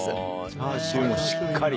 チャーシューもしっかり。